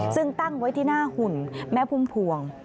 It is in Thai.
ซึ่งตั้งไว้ที่หน้าหุ่นแม่พุ่มพวง